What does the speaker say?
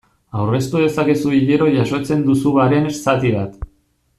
Aurreztu dezakezu hilero jasotzen duzubaren zati bat.